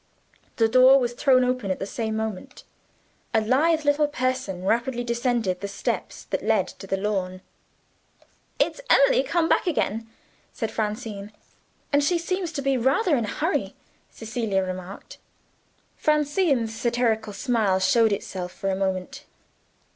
The door was thrown open at the same moment. A lithe little person rapidly descended the steps that led to the lawn. "It's Emily come back again," said Francine. "And she seems to be rather in a hurry," Cecilia remarked. Francine's satirical smile showed itself for a moment.